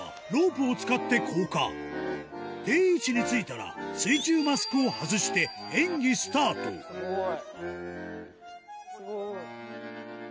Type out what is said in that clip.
定位置についたら水中マスクを外して演技スタートスゴい。